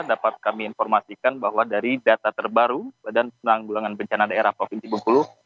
dapat kami informasikan bahwa dari data terbaru badan penanggulangan bencana daerah provinsi bengkulu